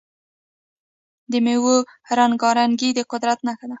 د میوو رنګارنګي د قدرت نښه ده.